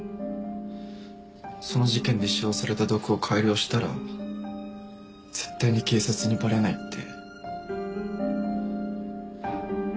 その事件で使用された毒を改良したら絶対に警察にバレないって。